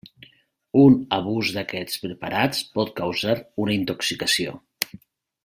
Un abús d'aquests preparats pot causar una intoxicació.